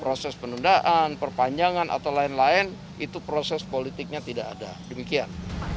proses penundaan perpanjangan atau lain lain itu proses politiknya tidak ada demikian